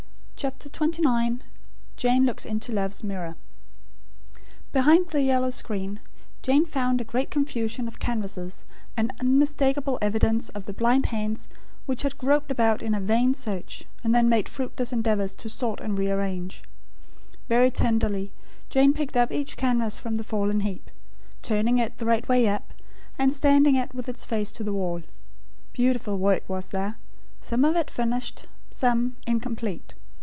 CHAPTER XXIX JANE LOOKS INTO LOVE'S MIRROR Behind the yellow screen, Jane found a great confusion of canvases, and unmistakable evidence of the blind hands which had groped about in a vain search, and then made fruitless endeavours to sort and rearrange. Very tenderly, Jane picked up each canvas from the fallen heap; turning it the right way up, and standing it with its face to the wall. Beautiful work, was there; some of it finished; some, incomplete.